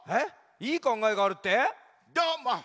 いいかんがえがあるって？